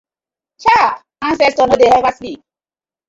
Chaaah!! Ancestors no dey ever sleep.